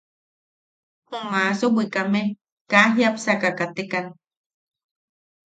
Ju maaso bwikame kaa jiapsaka katekan.